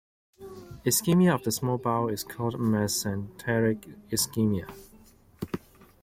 Ischemia of the small bowel is called mesenteric ischemia.